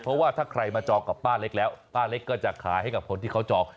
เพราะว่าถ้าใครมาจองกับป้าเล็กแล้วป้าเล็กก็จะขายให้กับคนที่เขาจอง